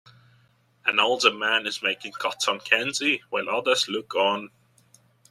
An older man is making cotton candy while others look on.